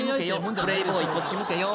プレーボーイ、こっち向けよ。